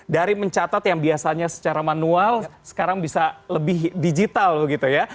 dari mencatat yang biasanya secara manual sekarang bisa lebih digital begitu ya